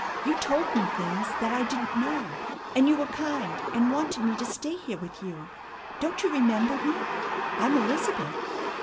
You told me things that I didn't know, and you were kind and wanted me to stay here with you? Don't you remember me? I'm Elizabeth!"